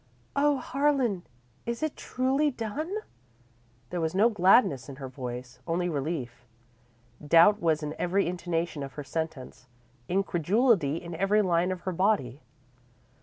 "O Harlan, is it truly done?" There was no gladness in her voice, only relief. Doubt was in every intonation of her sentence; incredulity in every line of her body.